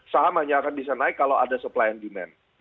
saham hanya akan bisa naik kalau ada supply and demand